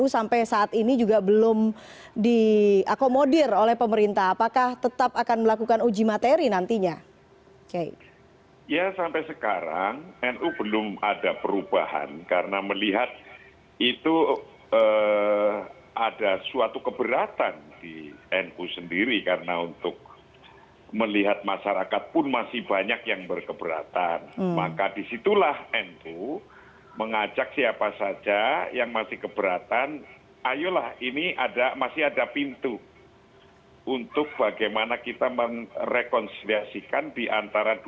selain itu presiden judicial review ke mahkamah konstitusi juga masih menjadi pilihan pp muhammadiyah